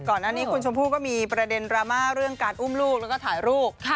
ก่อนหน้านี้คุณชมพู่ก็มีประเด็นดราม่าเรื่องการอุ้มลูกแล้วก็ถ่ายรูป